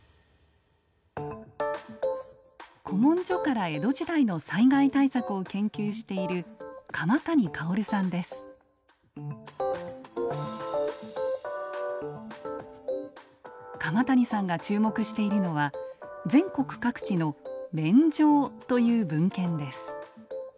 古文書から江戸時代の災害対策を研究している鎌谷さんが注目しているのは全国各地の「免定」という文献です。